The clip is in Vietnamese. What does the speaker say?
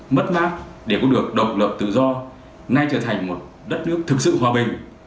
mất mát để có được độc lập tự do nay trở thành một đất nước thực sự hòa bình